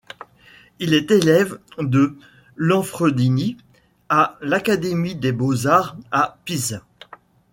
Il est élève de Lanfredini à l'académie des beaux-arts à Pise.